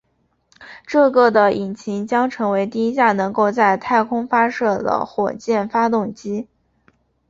这个的引擎将成为第一架能够在太空发射的火箭发动机。